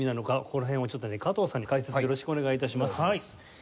ここら辺を加藤さんに解説よろしくお願い致します。